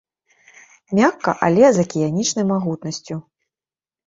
Мякка, але з акіянічнай магутнасцю.